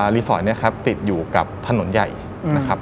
รีสอร์ทเนี่ยครับติดอยู่กับถนนใหญ่นะครับ